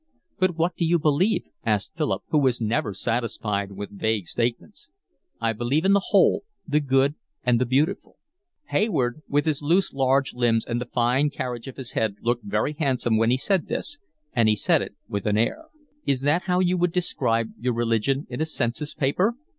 "But what do you believe?" asked Philip, who was never satisfied with vague statements. "I believe in the Whole, the Good, and the Beautiful." Hayward with his loose large limbs and the fine carriage of his head looked very handsome when he said this, and he said it with an air. "Is that how you would describe your religion in a census paper?"